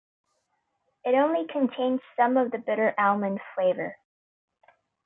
It only contains some of the bitter almond flavour.